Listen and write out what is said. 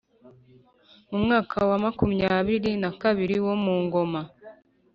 Mumwaka wa makumyabiri nakabiri wo mungoma